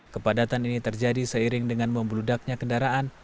kepadatan ini terjadi seiring dengan membeludaknya kendaraan